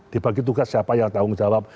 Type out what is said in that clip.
dibagi tugas siapa yang tanggung jawab